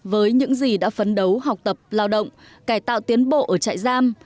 với những gì đã phấn đấu học tập lao động cải tạo tiến bộ ở trại giam